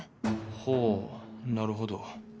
ほうなるほど。